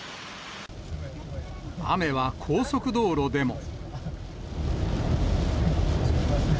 雨は高速道路でも。